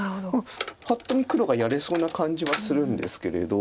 パッと見黒がやれそうな感じはするんですけれど。